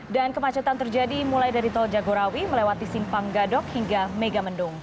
dan kemacetan terjadi mulai dari tol jagorawi melewati simpang gadok hingga mega mendung